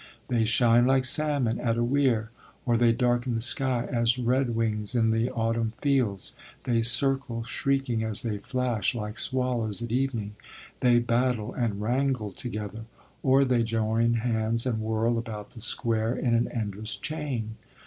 They shine like salmon at a weir, or they darken the sky as redwings in the autumn fields; they circle, shrieking as they flash, like swallows at evening; they battle and wrangle together; or they join hands and whirl about the square in an endless chain.